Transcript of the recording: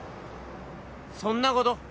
そんなこと？